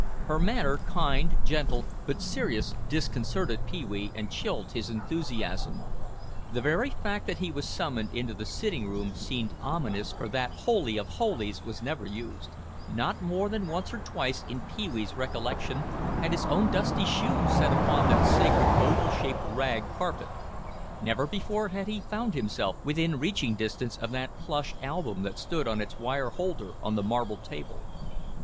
Her manner, kind, gentle, but serious, disconcerted Pee wee and chilled his enthusiasm. The very fact that he was summoned into the sitting room seemed ominous for that holy of holies was never used; not more than once or twice in Pee wee's recollection had his own dusty shoes stood upon that sacred oval shaped rag carpet. Never before had he found himself within reaching distance of that plush album that stood on its wire holder on the marble table.